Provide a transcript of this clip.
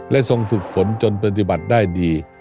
และทรงฝึกฝนจนปฏิบัติได้ดี